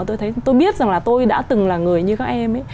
tôi biết rằng là tôi đã từng là người như các em ấy